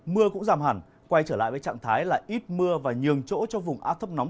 mưa cũng giảm hẳn quay trở lại với trạng thái là ít mưa và nhường chỗ cho vùng áp thấp nóng